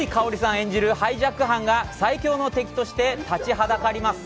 演じるハイジャック犯が最強の敵として立ちはだかります。